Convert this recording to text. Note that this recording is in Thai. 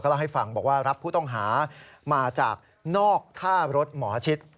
เล่าให้ฟังบอกว่ารับผู้ต้องหามาจากนอกท่ารถหมอชิด